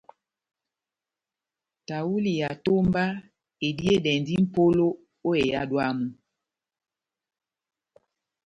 Tahuli ya etomba ediyedɛndi mʼpolo ó ehádo yamu.